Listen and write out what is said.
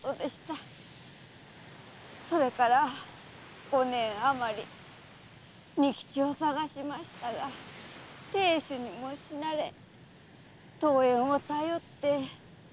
それから五年あまり仁吉を捜しましたが亭主にも死なれ遠縁を頼って江戸へ参りました。